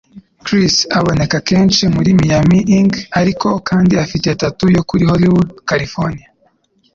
Chris aboneka kenshi muri Miami Ink, ariko kandi afite Tattoo Yukuri i Hollywood, California.